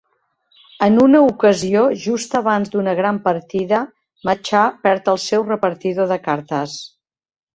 En una ocasió, just abans d'una gran partida, Macha perd el seu repartidor de cartes.